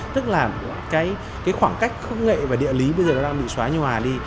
tức là cái khoảng cách khu vực nghệ và địa lý bây giờ nó đang bị xóa nhòa đi